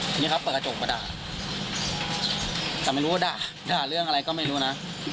ทีนี้เขาเปิดกระจกมาด่าแต่ไม่รู้ว่าด่าเรื่องอะไรก็ไม่รู้นะ